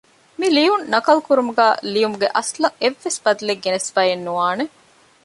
މިލިޔުން ނަކަލުކުރުމުގައި ލިޔުމުގެ އަސްލަށް އެއްވެސް ބަދަލެއް ގެނެސްފައެއް ނުވާނެ